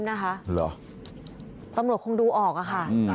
ทำยะตำรวจคงรู้ออกอ่ะค่ะ